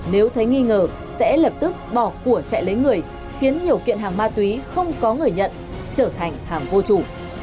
nếu thấy nghi ngờ sẽ lập tức bỏ của chạy lấy người khiến nhiều kiện hàng ma túy không có người nhận trở thành hàng vô chủ